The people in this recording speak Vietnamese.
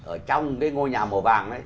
ở trong cái ngôi nhà màu vàng